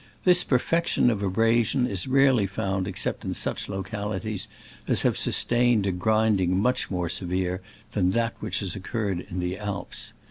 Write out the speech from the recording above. This perfection of abrasion is rarely found except in such localities as have sustained a grinding much more severe than that which has occurred in the Alps.